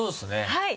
はい。